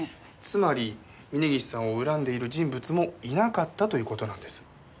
つまり峰岸さんを恨んでいる人物もいなかったという事なんです。